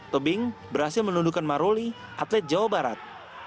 tebing berhasil menundukan maruli atlet jawa barat